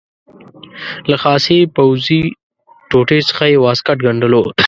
له خاصې پوځي ټوټې څخه یې واسکټ ګنډلو.